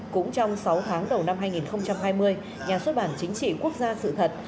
cũng trong sáu tháng đầu năm hai nghìn hai mươi nhà xuất bản chính trị quốc gia sự thật